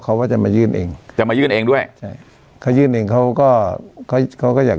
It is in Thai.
เขาก็จะมายื่นเองจะมายื่นเองด้วยใช่เขายื่นเองเขาก็เขาเขาก็อยาก